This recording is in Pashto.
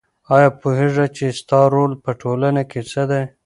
آیا پوهېږې چې ستا رول په ټولنه کې څه دی؟